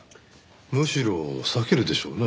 むしろ避けるでしょうね。